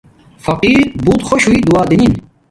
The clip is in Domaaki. فقیر بوت خوش ہوݵ دعا دنین